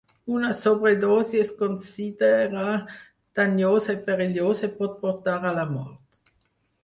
Una sobredosi es considera danyosa i perillosa i pot portar a la mort.